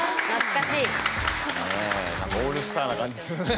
オールスターな感じするね。